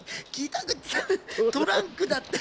トランクだって。